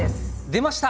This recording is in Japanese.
出ました！